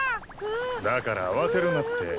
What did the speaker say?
だから慌てるなって。